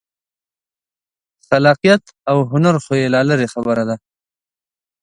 خلاقیت او هنر خو یې لا لرې خبره ده.